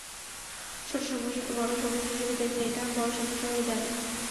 ছোট সমস্যাকে বড় সমস্যা হিসেবে দেখলে, এটা বড় সমস্যা হয়েই দাঁড়ায়।